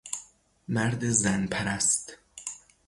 مرد زن پرست